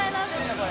これ。